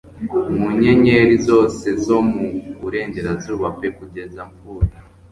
Mu nyenyeri zose zo mu burengerazuba pe kugeza mpfuye.